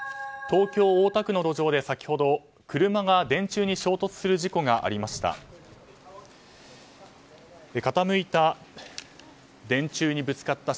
東京・大田区の路上で先ほど車が電柱に衝突する事故がありました。